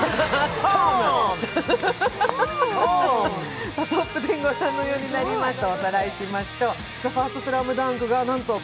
ランキングご覧のようになりました。